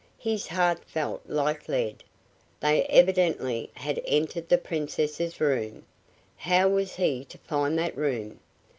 His heart felt like lead! They evidently had entered the Princess's room! How was he to find that room?